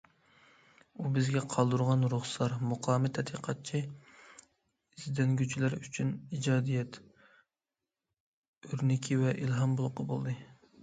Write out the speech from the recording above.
ئۇ بىزگە قالدۇرغان‹‹ رۇخسار›› مۇقامى تەتقىقاتچى، ئىزدەنگۈچىلەر ئۈچۈن ئىجادىيەت ئۆرنىكى ۋە ئىلھام بۇلىقى بولدى.